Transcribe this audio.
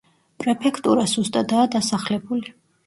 პრეფექტურა სუსტადაა დასახლებული.